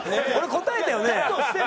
俺答えたよね？